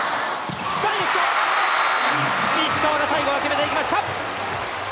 石川が最後は決めていきました！